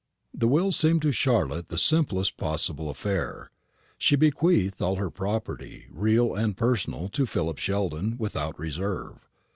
The will seemed to Charlotte the simplest possible affair. She bequeathed all her property, real and personal, to Philip Sheldon, without reserve.